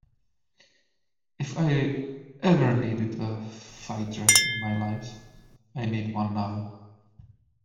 If I ever needed a fighter in my life I need one now.